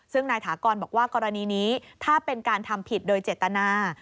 ซึ่งนายถากรบอกว่ากรณีนี้ถ้าเป็นการทำผิดโดยเจตนา